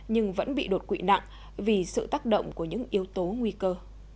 nhưng vẫn bị đột quỵ nặng vì sự tác động của những yếu tố nguy cơ